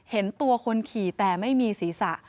เห็นตัวคนขี่แต่ไม่มีศีรษะ